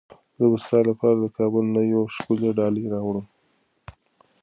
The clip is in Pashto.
زه به ستا لپاره د کابل نه یوه ښکلې ډالۍ راوړم.